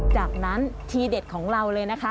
จากนั้นทีเด็ดของเราเลยนะคะ